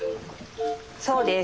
そうです。